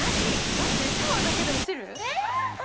待って、シャワーだけで落ちる？